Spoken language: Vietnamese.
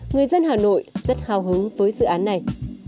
người dân hà nội rất hào hứng với dự án này